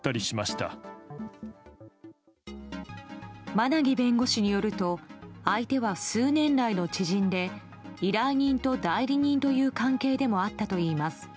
馬奈木弁護士によると相手は数年来の知人で依頼人と代理人という関係でもあったといいます。